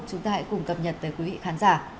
chúng ta hãy cùng cập nhật tới quý vị khán giả